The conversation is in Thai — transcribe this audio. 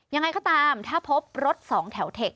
ยังไงก็ตามถ้าพบรถสองแถวเทค